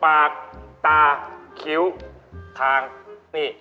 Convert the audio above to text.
ปากตาคิ้วคางนี่